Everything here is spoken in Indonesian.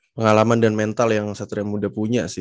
pengalaman dan mental yang satria muda punya sih